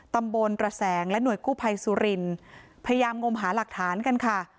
ตำบลระแสงและหน่วยกู้ภัยสุรินพยายามงมหาหลักฐานกันค่ะ